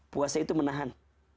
puasa itu menahan